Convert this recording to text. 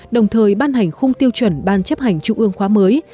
đồng thời ban hành khung tiêu chuẩn ban chấp hành trung ương khóa mới